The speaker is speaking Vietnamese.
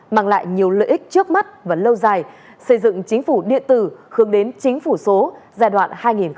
mang lại nhiều lợi ích trước mắt và lâu dài xây dựng chính phủ địa tử hướng đến chính phủ số giai đoạn hai nghìn hai mươi hai hai nghìn ba mươi